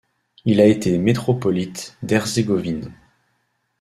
Il a été métropolite d'Herzégovine.